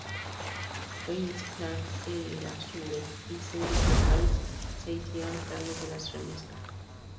Vince Clarke de Erasure y Cedric Gervais se hicieron cargo de las remezclas.